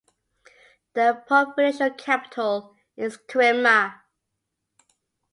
The provincial capital is Kerema.